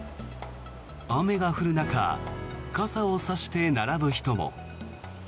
雨が降る中傘を差して並ぶ人も。